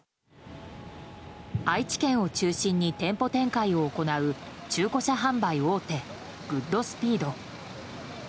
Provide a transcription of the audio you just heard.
愛知県を中心に店舗展開を行う中古車販売大手グッドスピード。